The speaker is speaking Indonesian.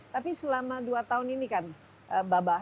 tapi selama dua tahun ini kan babah